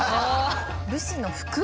武士の服？